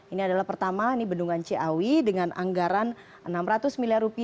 ini adalah pertama ini bendungan ciawi dengan anggaran rp enam ratus miliar